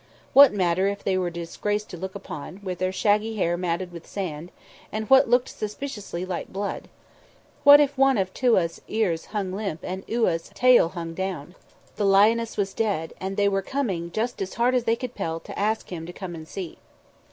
What matter if they were a disgrace to look upon, with their shaggy hair matted with sand, and what looked suspiciously like blood? What if one of Touaa's ears hung limp and Iouaa's tail hung down? The lioness was dead, and they were coming just as hard as they could pelt to ask Him to come and see.